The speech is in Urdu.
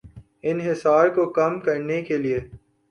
انحصار کو کم کرنے کے لیے